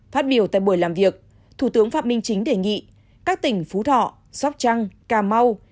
phát biểu tại buổi làm việc thủ tướng phạm minh chính đề nghị các tỉnh phú thọ sóc trăng cà mau